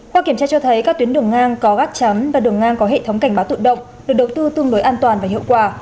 qua kiểm tra cho thấy các tuyến đường ngang có gắt chắn và đường ngang có hệ thống cảnh báo tự động được đầu tư tương đối an toàn và hiệu quả